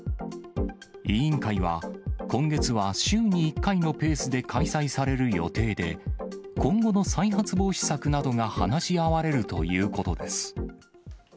委員会は、今月は週に１回のペースで開催される予定で、今後の再発防止策などが話し合われるということです。